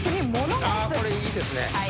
これいいですね。